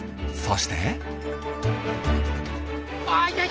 そして。